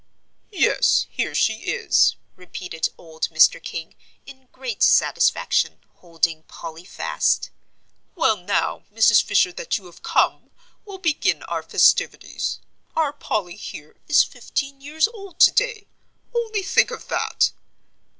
"Yes, here she is," repeated old Mr. King, in great satisfaction, holding Polly fast. "Well, now, Mrs. Fisher, that you have come, we'll begin our festivities. Our Polly, here, is fifteen years old to day only think of that!"